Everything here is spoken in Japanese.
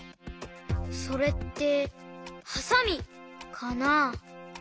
それってはさみかな？